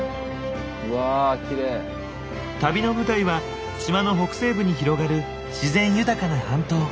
旅の舞台は島の北西部に広がる自然豊かな半島。